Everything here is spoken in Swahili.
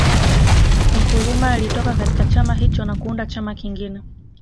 Nkrumah alitoka katika chama hicho na kuuunda chama kingine